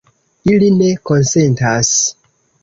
Ili ne konsentas.